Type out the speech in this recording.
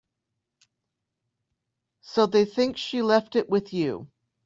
So they think she left it with you.